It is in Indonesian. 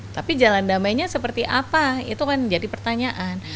tapi jalan damainya seperti apa itu kan jadi pertanyaan